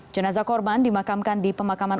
jenazah korban dimakamkan di pemakaman